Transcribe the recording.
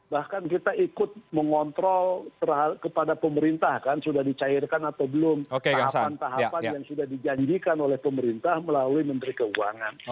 bahkan kita ikut mengontrol kepada pemerintah kan sudah dicairkan atau belum tahapan tahapan yang sudah dijanjikan oleh pemerintah melalui menteri keuangan